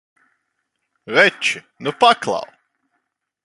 Veči, nu paklau!